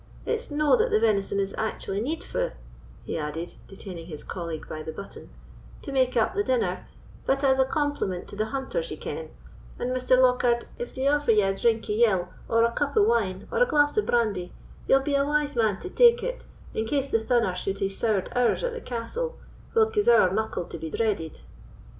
It's no that the venison is actually needfu'," he added, detaining his colleague by the button, "to make up the dinner; but as a compliment to the hunters, ye ken; and, Mr. Lockhard, if they offer ye a drink o' yill, or a cup o' wine, or a glass o' brandy, ye'll be a wise man to take it, in case the thunner should hae soured ours at the castle, whilk is ower muckle to be dreaded."